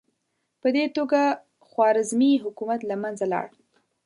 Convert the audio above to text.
په دې توګه خوارزمي حکومت له منځه لاړ.